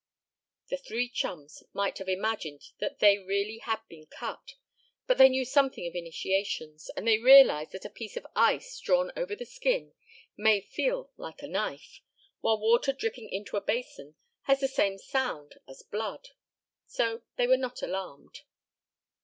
The three chums might have imagined that they really had been cut, but they knew something of initiations, and they realized that a piece of ice drawn over the skin may feel like a knife, while water dripping into a basin has the same sound as blood. So they were not at all alarmed.